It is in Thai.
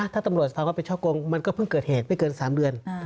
ถ้าธักรศฟังว่าเป็นช่อกงมันก็เพิ่งเกิดแหตุไม่เกิน๓เดือน